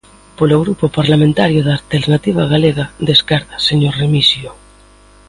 Polo Grupo Parlamentario da Alternativa Galega de Esquerda, señor Remixio.